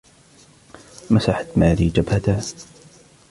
مسحت ماري جبهتها.